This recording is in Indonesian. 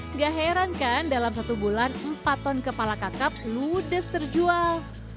nggak heran kan dalam satu bulan empat ton kepala kakap ludes terjual